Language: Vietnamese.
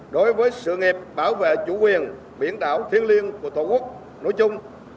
đối với sự nghiệp bảo vệ chủ quyền biển đảo thiên liêng của tổ quốc nối chung